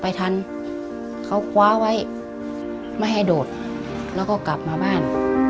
ทันเขาคว้าไว้ไม่ให้โดดแล้วก็กลับมาบ้าน